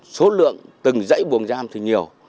số lượng từng dãy buồng giam thì nhiều